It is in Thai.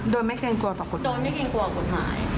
โดยไม่เคลียงกลัวต่อกฎหมาย